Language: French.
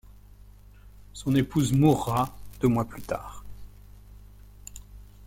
Son épouse mourra deux mois plus tard.